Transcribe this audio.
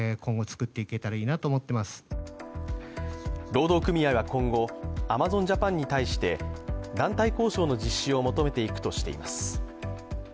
労働組合は今後アマゾン・ジャパンに対して団体交渉の実施を求めていくとしています。